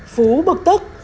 phú bực tức